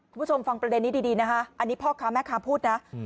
คุณผู้ชมฟังประเด็นนี้ดีนะคะอันนี้พ่อค้าแม่ค้าพูดนะ